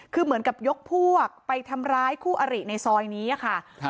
คือเหมือนกับยกพวกไปทำร้ายคู่อริในซอยนี้ค่ะ